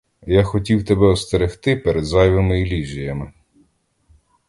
Я хотів тебе остерегти перед зайвими ілюзіями.